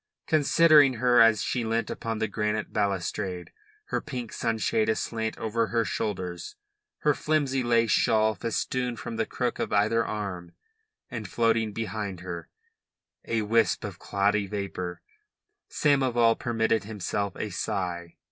Considering her as she leant upon the granite balustrade, her pink sunshade aslant over her shoulder, her flimsy lace shawl festooned from the crook of either arm and floating behind her, a wisp of cloudy vapour, Samoval permitted himself a sigh.